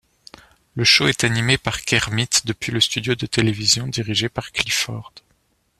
Le show est animé par Kermit depuis le studio de télévision dirigé par Clifford.